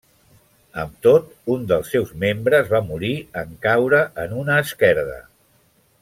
Amb tot, un dels seus membres va morir en caure en una esquerda.